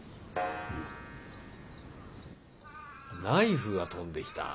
ナイフが飛んできた？